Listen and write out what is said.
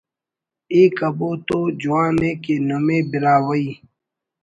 ءِ کبو تو جوان ءِ کہ نمے براہوئی